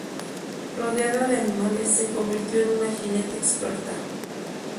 Rodeada de animales, se convirtió en una jinete experta.